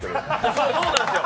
そうなんですよ